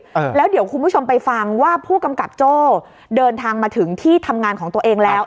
เออแล้วเดี๋ยวคุณผู้ชมไปฟังว่าผู้กำกับโจ้เดินทางมาถึงที่ทำงานของตัวเองแล้ว